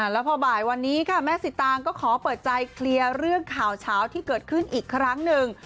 แล้วพอบ่ายวันนี้ค่ะแม่สิตางก็ขอเปิดใจเคลียร์เรื่องข่าวเช้าที่เกิดขึ้นอีกครั้งหนึ่ง